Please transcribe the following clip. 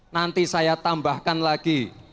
nanti saya tambahkan lagi